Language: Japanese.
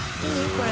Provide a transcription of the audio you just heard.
これ。